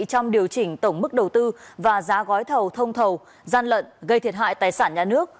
trong điều chỉnh tổng mức đầu tư và giá gói thầu thông thầu gian lận gây thiệt hại tài sản nhà nước